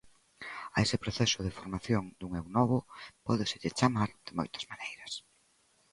A ese proceso de formación dun eu novo pódeselle chamar de moitas maneiras.